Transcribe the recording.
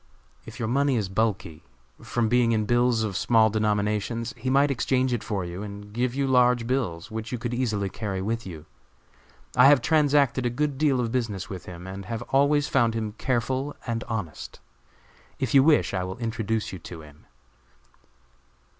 "If your money is bulky, from being in bills of small denominations, he might exchange it for you and give you large bills, which you could easily carry with you. I have transacted a good deal of business with him, and have always found him careful and honest. If you wish, I will introduce you to him."